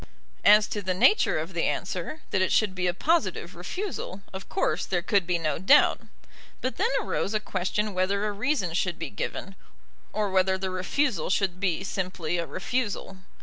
As to the nature of the answer, that it should be a positive refusal, of course there could be no doubt; but then arose a question whether a reason should be given, or whether the refusal should be simply a refusal.